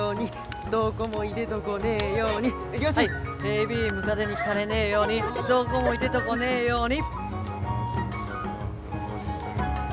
「ヘビムカデにかれねえようにどごもいでどごねえように」。